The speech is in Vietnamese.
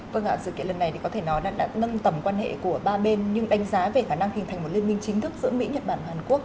vâng ạ sự kiện lần này thì có thể nói là đã nâng tầm quan hệ của ba bên nhưng đánh giá về khả năng hình thành một liên minh chính thức giữa mỹ nhật bản và hàn quốc